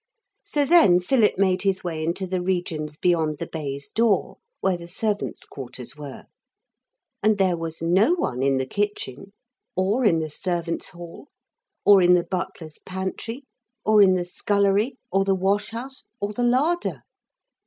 So then Philip made his way into the regions beyond the baize door, where the servants' quarters were. And there was no one in the kitchen, or in the servants' hall, or in the butler's pantry, or in the scullery, or the washhouse, or the larder.